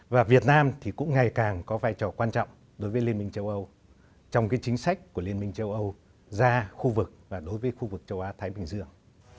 và việt nam thì cũng ngày càng có vai trò quan trọng đối với liên minh châu âu trong chính sách của liên minh châu âu ra khu vực và đối với khu vực châu á thái bình dương